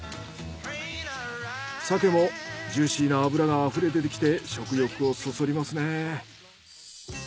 鮭もジューシーな脂が溢れ出てきて食欲をそそりますね。